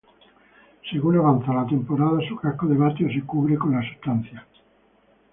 Según avanza la temporada, su casco de bateo se cubre con la sustancia.